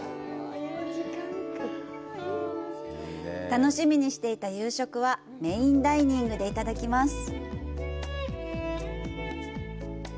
楽しみにしていた夕食はメインダイニングでいただきます。